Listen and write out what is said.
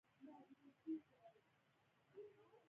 د اقتصادي ودې بهیر په زر نه سوه اویا یمه لسیزه کې ودرېد